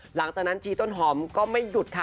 หลังจากนั้นจีต้นหอมก็ไม่หยุดค่ะ